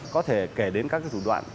có thể kể đến các thủ đoạn